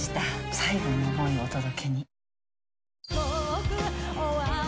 最後の思いをお届けに。